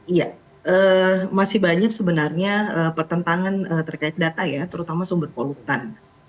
iya masih banyak sebenarnya pertentangan terkait data ya terutama sumber polutan